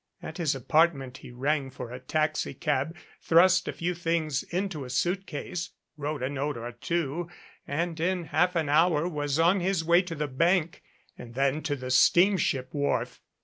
At his apartment he rang for a taxicab, thrust a few things into a suitcase, wrote a note or two and in half an hour was on his way to the bank and then to the steamship wharf.